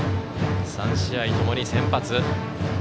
３試合ともに先発。